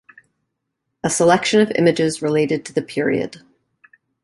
A selection of images related to the period.